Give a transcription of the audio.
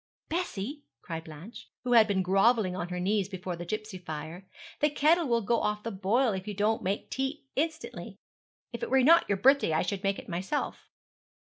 'Bessie,' cried Blanche, who had been grovelling on her knees before the gipsy fire, 'the kettle will go off the boil if you don't make tea instantly. If it were not your birthday I should make it myself.'